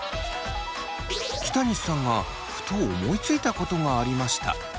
北西さんがふと思いついたことがありました。